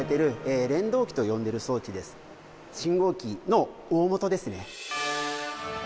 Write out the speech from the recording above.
信号機の大本ですね。